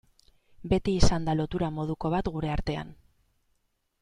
Beti izan da lotura moduko bat gure artean.